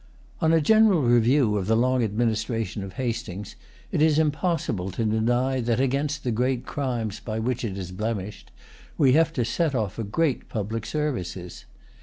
On a general review of the long administration of Hastings, it is impossible to deny that, against the great crimes by which it is blemished, we have to set off great public services.